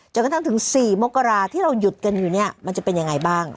กระทั่งถึง๔มกราที่เราหยุดกันอยู่เนี่ยมันจะเป็นยังไงบ้าง